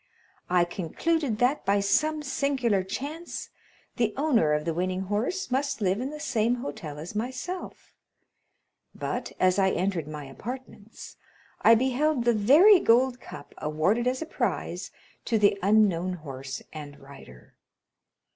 I concluded that, by some singular chance, the owner of the winning horse must live in the same hotel as myself; but, as I entered my apartments, I beheld the very gold cup awarded as a prize to the unknown horse and rider.